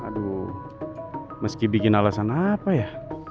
aduh meski bikin alasan apa ya